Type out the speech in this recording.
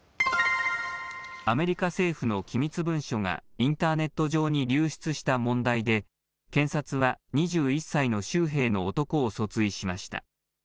アメリカ政府の機密文書が、インターネット上に流出した問題で、検察は２１歳の州兵の男を訴追しました。